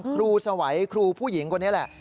สวัยครูผู้หญิงคนนี้แหละ